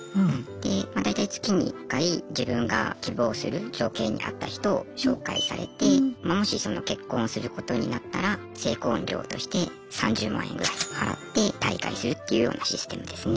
まあ大体月に１回自分が希望する条件に合った人を紹介されてまもし結婚することになったら成婚料として３０万円ぐらい払って退会するっていうようなシステムですね。